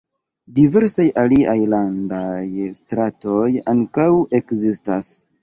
Diversaj aliaj landaj stratoj ankaŭ ekzistas.